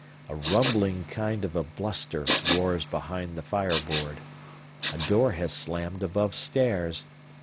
A rumbling kind of a bluster roars behind the fire board. A door has slammed above stairs.